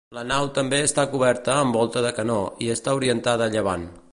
La nau també està coberta amb volta de canó i està orientada a llevant.